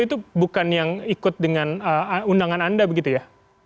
itu bukan yang ikut dengan undangan anda begitu ya